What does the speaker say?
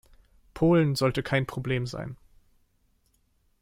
Polen sollte kein Problem sein.